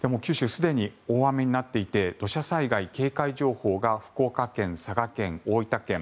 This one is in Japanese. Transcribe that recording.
すでに大雨になっていて土砂災害警戒情報が福岡県、佐賀県、大分県